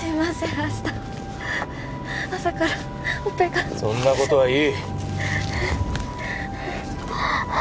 明日朝からオペがそんなことはいい